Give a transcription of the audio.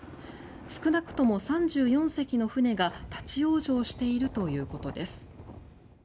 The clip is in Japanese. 少なくとも３４隻の船が立ち往生しているということです。